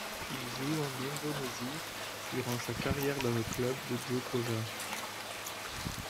Il joue en Indonésie durant sa carrière dans le club de Djocoja.